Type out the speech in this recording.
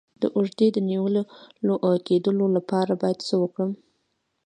د اوږې د نیول کیدو لپاره باید څه وکړم؟